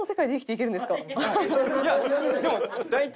いやでも大体。